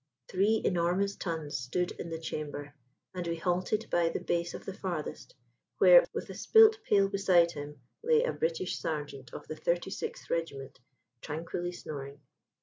Three enormous tuns stood in the chamber, and we halted by the base of the farthest, where, with a spilt pail beside him, lay a British sergeant of the 36th Regiment tranquilly snoring!